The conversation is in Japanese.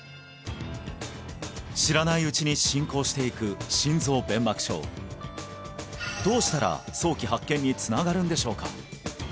知らないうちに進行していく心臓弁膜症どうしたら早期発見につながるんでしょうか？